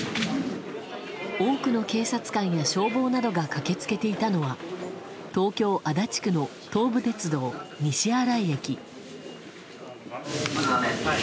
多くの警察官や消防などが駆けつけていたのは東京・足立区の東武鉄道西新井駅。